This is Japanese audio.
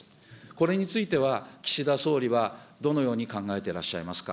これについては、岸田総理はどのように考えてらっしゃいますか。